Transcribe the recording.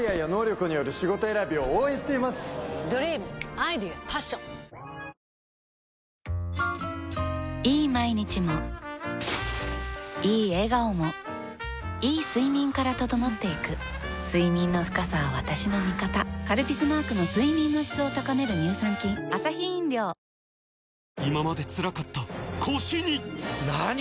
ハイ「タコハイ」いい毎日もいい笑顔もいい睡眠から整っていく睡眠の深さは私の味方「カルピス」マークの睡眠の質を高める乳酸菌ファミチキジャンボ！